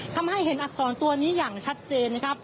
ทำให้เห็นอักษรตัวนี้อย่างชัดเจนนะครับ